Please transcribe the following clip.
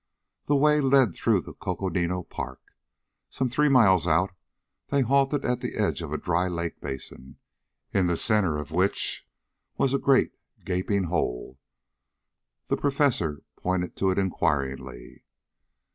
The way led through the Coconino Park. Some three miles out they halted at the edge of a dry lake basin, in the centre of which was a great gaping hole. The Professor pointed to it inquiringly.